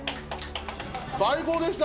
最高でした。